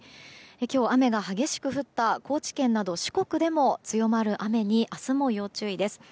今日、雨が激しく降った高知県など四国でも強まる雨に明日も要注意です。